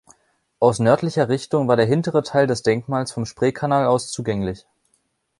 Aus nördlicher Richtung war der hintere Teil des Denkmals vom Spreekanal aus zugänglich.